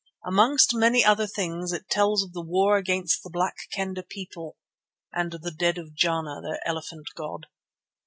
Amongst many other things it tells of the war against the Black Kendah people and the death of Jana, their elephant god.